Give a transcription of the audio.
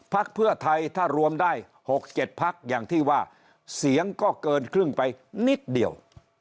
พักเพื่อไทยถ้ารวมได้๖๗พักอย่างที่ว่าเสียงก็เกินครึ่งไปนิดเดียว